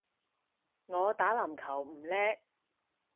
我打籃球唔叻